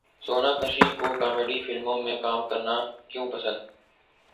سوناکشی کو کامیڈی فلموں میں کام کرنا کیوں پسند